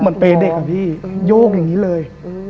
เหมือนเปรย์เด็กกับพี่โยกอย่างนี้เลย